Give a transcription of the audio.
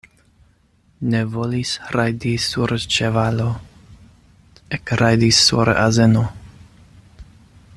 Ne volis rajdi sur ĉevalo, ekrajdis sur azeno.